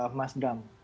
ya mas bram